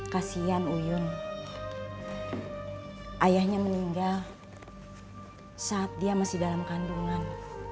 kasian uyung ayahnya meninggal saat dia masih dalam kandungan